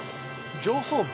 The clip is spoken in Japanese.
上層部？